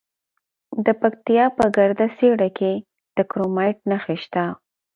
د پکتیا په ګرده څیړۍ کې د کرومایټ نښې شته.